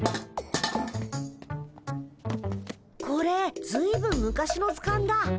これずいぶん昔のずかんだ。